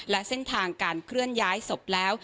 และเส้นทางการเคลื่อนย้ายศพแล้ว